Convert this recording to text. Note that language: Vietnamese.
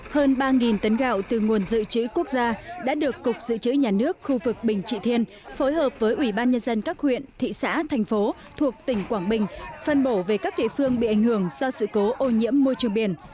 hơn ba tấn gạo từ nguồn dự trữ quốc gia đã được cục dự trữ nhà nước khu vực bình trị thiên phối hợp với ủy ban nhân dân các huyện thị xã thành phố thuộc tỉnh quảng bình phân bổ về các địa phương bị ảnh hưởng do sự cố ô nhiễm môi trường biển